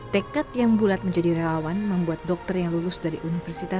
tekad yang bulat menjadi rawan membuat dokternya berpikir ya ini dia